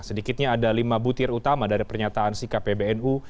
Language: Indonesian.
sedikitnya ada lima butir utama dari pernyataan sikap pbnu